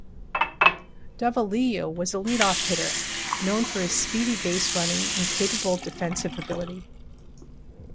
Davalillo was a leadoff hitter known for his speedy baserunning and capable defensive ability.